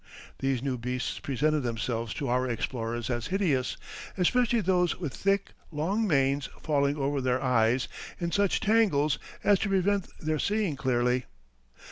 These new beasts presented themselves to our explorers as hideous, especially those with thick, long manes falling over their eyes in such tangles as to prevent their seeing clearly.